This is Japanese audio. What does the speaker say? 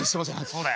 そうだよ。